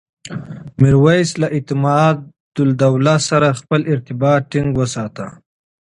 میرویس له اعتمادالدولة سره خپل ارتباط ټینګ وساته.